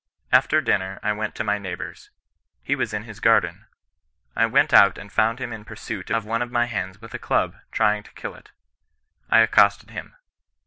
After dinner I went to my neighbour's. He was in his garden. I went out and found him in pursuit of one of my hens with a club, trying to kill it. I accosted him.